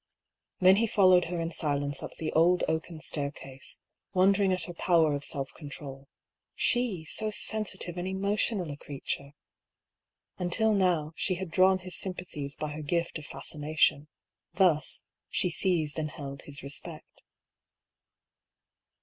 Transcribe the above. Then he followed her in silence up the old oaken staircase, wondering at her power of self control — she, so sensitive and emotional a creature ! Until now, she had drawn his sympathies by her gift of fascination; thus, she seized and held his respect.